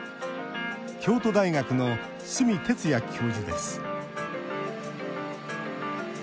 京都大学の角哲也教授です。